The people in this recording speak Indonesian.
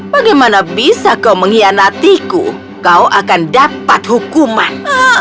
bagaimana bisa kau mengkhianatiku kau akan dapat hukuman